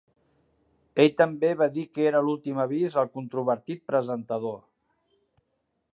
Ell també va dir que era l'últim avís al controvertit presentador.